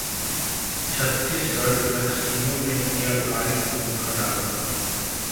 छत्तीसगढ़: नक्सलियों ने किया भारी खून-खराबा